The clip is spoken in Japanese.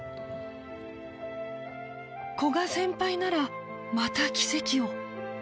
古賀先輩ならまた奇跡を